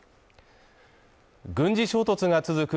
軍事衝突が続く